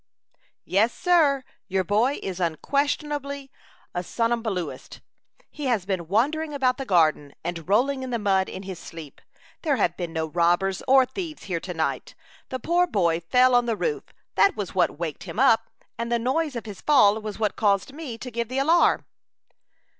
"Yes, sir; your boy is unquestionably a somnambulist. He has been wandering about the garden, and rolling in the mud, in his sleep. There have been no robbers or thieves here to night. The poor boy fell on the roof; that was what waked him up; and the noise of his fall was what caused me to give the alarm."